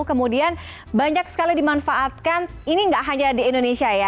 kemudian banyak sekali dimanfaatkan ini tidak hanya di indonesia ya